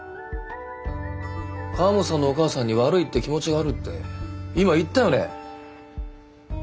河本さんのお母さんに悪いって気持ちがあるって今言ったよね？